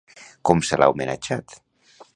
Com se l'ha homenatjat?